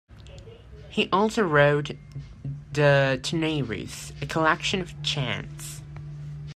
He also wrote the "Tonarius", a collection of chants.